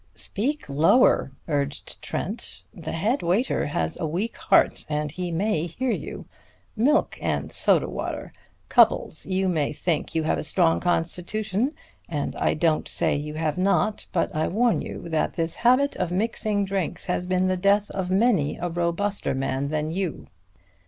"Speak lower!" urged Trent. "The head waiter has a weak heart, and he might hear you. Milk and soda water! Cupples, you may think you have a strong constitution, and I don't say you have not, but I warn you that this habit of mixing drinks has been the death of many a robuster man than you.